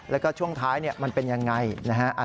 แล้วก็ช่วงท้ายมันเป็นยังไงนะฮะ